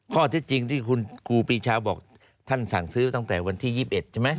ข้อเท็จจริงที่คุณครูปีชาบอกท่านสั่งซื้อตั้งแต่วันที่๒๑ใช่ไหม